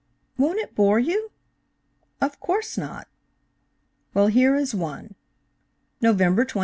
"Won't it bore you?" "Of course not." "Well, here is one :" Nov. 23d.